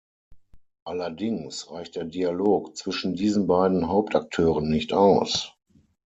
Allerdings reicht der Dialog zwischen diesen beiden Hauptakteuren nicht aus.